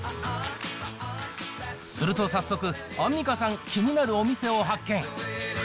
すると早速、アンミカさん、気になるお店を発見。